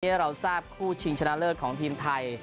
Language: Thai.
ให้เราทราบคู่ชิงชนะเลิศของทีมไทย